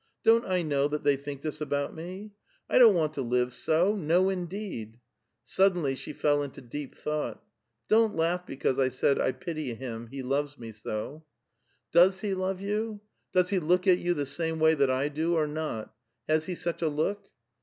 Don't I know that they think this about me? I don't want to live A VITAL QUESTION. 71 so, no indeed !" Suddenly she fell into deep thought, Don't laugh because I said, 'I pity him — he loves me so.'" "Does he love you? does he look at you the same way that I do or not? has he such a look?